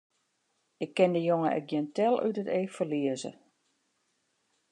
Ik kin dy jonge ek gjin tel út it each ferlieze!